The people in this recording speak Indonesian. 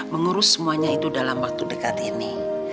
mengurus semuanya itu dalam waktu dekat ini